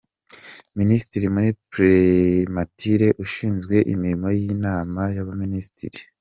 Minisitiri muri Primature ushinzwe Imirimo y’Inama y’Abaminisitiri